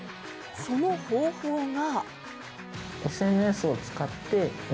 その方法が。